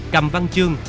cầm văn chương